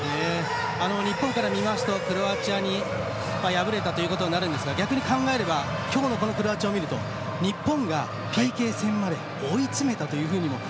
日本から見ますとクロアチアに敗れたということになるんですが逆に考えれば、今日のこのクロアチアを見ると日本がＰＫ戦まで追い詰めたというふうにも。